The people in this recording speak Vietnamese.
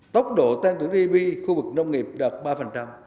tốc độ tăng trưởng gdp khu vực nông nghiệp đạt ba